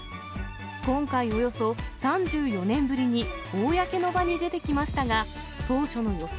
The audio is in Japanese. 今回およそ３４年ぶりに公の場に出てきましたが、当初の予想